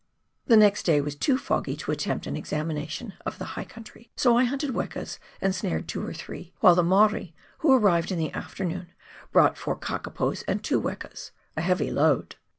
The next day was too foggy to attempt an examination of the high country, so I hunted wekas and snared two or three, while the Maori, who arrived in the afternoon, brought four kakapos and two wekas — a heavy load.